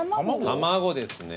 卵ですね。